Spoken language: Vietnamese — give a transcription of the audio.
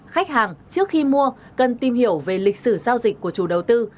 khách hàng trước khi mua cần tìm hiểu về lịch sử giao dịch của chủ đầu tư